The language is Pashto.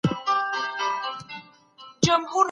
يوه شاعر د سپين